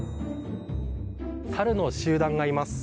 サルの集団がいます。